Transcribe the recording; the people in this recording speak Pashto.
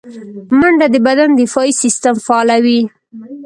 منډه د بدن دفاعي سیستم فعالوي